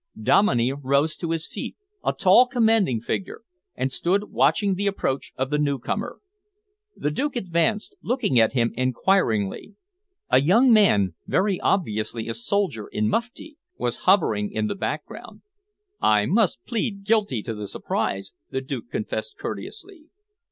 Dominey rose to his feet a tall, commanding figure and stood waiting the approach of the newcomer. The Duke advanced, looking at him enquiringly. A young man, very obviously a soldier in mufti, was hovering in the background. "I must plead guilty to the surprise," the Duke confessed courteously.